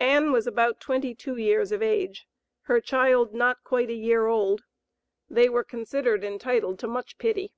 Ann was about twenty two years of age, her child not quite a year old. They were considered entitled to much pity.